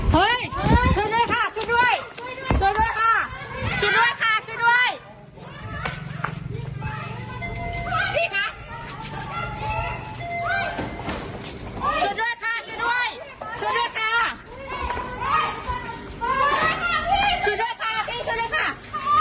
เฮ้ยช่วยด้วยค่ะช่วยด้วย